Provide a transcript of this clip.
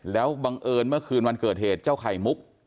แล้วบังเอิญเมื่อคืนวันเกิดเหตุเจ้าไข่มุก